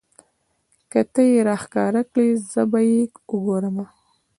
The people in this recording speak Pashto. که تۀ یې راښکاره کړې زه به یې وګورمه.